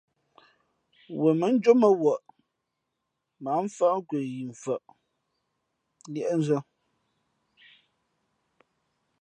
Wen mά njómα wαʼ mα ǎ mfάʼ nkwe yi mfα̌ʼ líéʼnzᾱ.